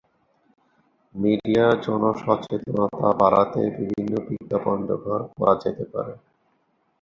মিডিয়ায় জনসচেতনতা বাড়াতে বিভিন্ন বিজ্ঞাপন ব্যবহার করা যেতে পারে।